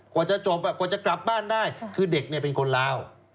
กว่าจะจบกว่าจะกลับบ้านได้คือเด็กเนี่ยเป็นคนลาว